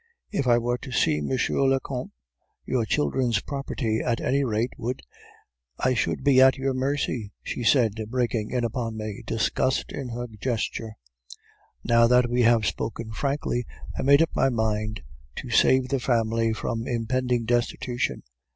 "'If I were to see M. le Comte, your children's property at any rate would ' "'I should be at your mercy,' she said, breaking in upon me, disgust in her gesture. "Now that we had spoken frankly, I made up my mind to save the family from impending destitution.